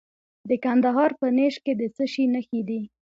د کندهار په نیش کې د څه شي نښې دي؟